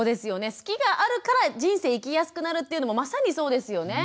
好きがあるから人生生きやすくなるっていうのもまさにそうですよね。